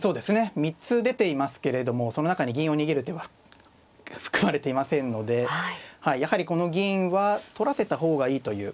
３つ出ていますけれどもその中に銀を逃げる手は含まれていませんのでやはりこの銀は取らせた方がいいという。